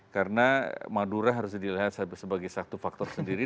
karena madura harus dilihat sebagai satu faktor sendiri